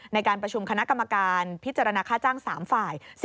ในการประชุมคณะกรรมการพิจารณาค่าจ้าง๓ฝ่าย